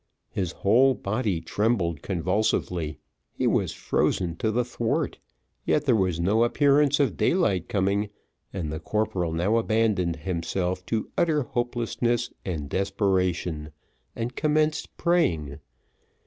His whole body trembled convulsively, he was frozen to the thwart, yet there was no appearance of daylight coming, and the corporal now abandoned himself to utter hopelessness and desperation, and commenced praying.